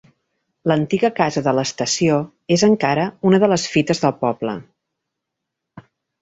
L'antiga casa de l'estació és encara una de les fites del poble.